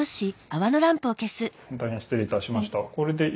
本当に失礼いたしました。